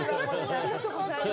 ありがとうございます。